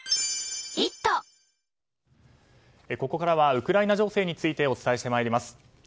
ここからはウクライナ情勢についてお伝えします。